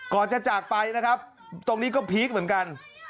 ก่อนจะจากไปนะครับตรงนี้ก็พีคเหมือนกัน